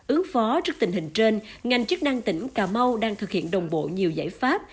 ứng phó trước tình hình trên ngành chức năng tỉnh cà mau đang thực hiện đồng bộ nhiều giải pháp